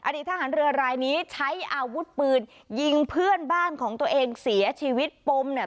ทหารเรือรายนี้ใช้อาวุธปืนยิงเพื่อนบ้านของตัวเองเสียชีวิตปมเนี่ย